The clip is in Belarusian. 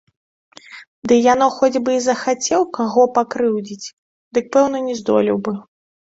Ды яно хоць бы й захацеў каго пакрыўдзіць, дык, пэўна, не здолеў бы.